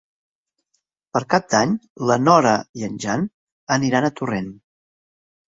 Per Cap d'Any na Nora i en Jan iran a Torrent.